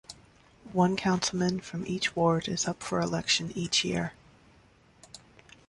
One councilman from each ward is up for election each year.